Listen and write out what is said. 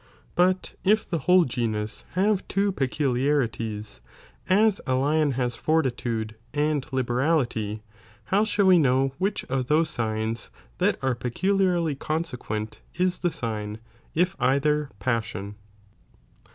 But if the whole genus have two peculiarities, as a lion has fortitude and liberality, how shall we know which of those signs that are peculiarly consequent is the sign, if either (passion)